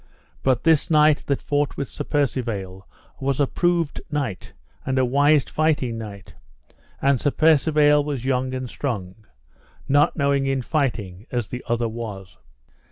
But this knight that fought with Sir Percivale was a proved knight and a wise fighting knight, and Sir Percivale was young and strong, not knowing in fighting as the other was.